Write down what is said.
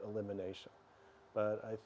itu adalah penyakit